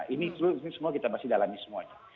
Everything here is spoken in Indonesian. ini semua kita masih dalami semuanya